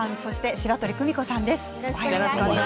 白鳥久美子さんです。